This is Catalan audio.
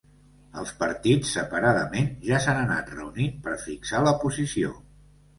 Els partits, separadament, ja s’han anat reunint per fixar la posició.